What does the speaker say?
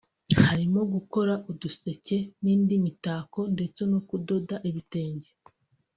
harimo gukora uduseke n’indi mitako ndetse no kudoda ibitenge